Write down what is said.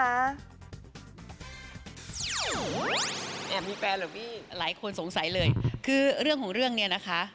แอบมีแฟนเหรอพี่หลายคนสงสัยเลยคือเรื่องของเรื่องเนี่ยนะคะ